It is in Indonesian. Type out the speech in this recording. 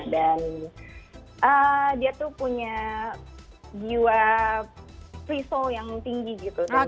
dan dia tuh punya jiwa free soul yang tinggi gitu